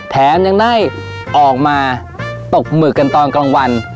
แถมยังได้ออกมาตกหมึกกันตอนกลางวัน